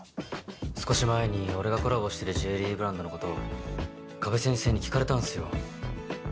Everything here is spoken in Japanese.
少し前に俺がコラボしてるジュエリーブランドのこと加部先生に聞かれたんすよ。